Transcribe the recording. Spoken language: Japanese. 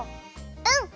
うん！